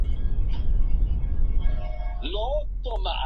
La compañía se constituye por tres secciones de asalto.